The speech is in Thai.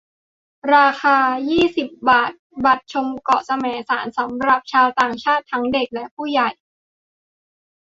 ราคา ยี่สิบ บาท บัตรชมเกาะแสมสารสำหรับชาวต่างชาติทั้งเด็กและผู้ใหญ่